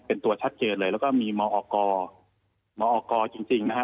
เป็นตัวชัดเกณฑ์เลยแล้วก็มีมอร์กอร์มอร์กอร์จริงจริงนะฮะ